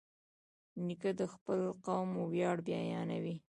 نیکه د خپل قوم ویاړ بیانوي.